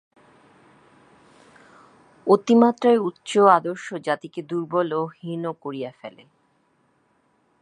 অতিমাত্রায় উচ্চ আদর্শ জাতিকে দুর্বল ও হীন করিয়া ফেলে।